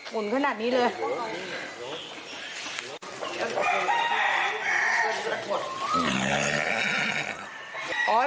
หุ่นขนาดนี้เลย